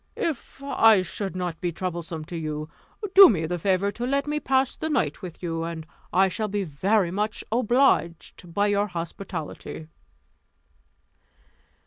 If I should not be troublesome to you, do me the favour to let me pass the night with you, and I shall be very much obliged by your hospitality."